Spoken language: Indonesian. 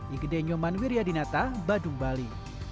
ikedenyoman wiryadinata badung bali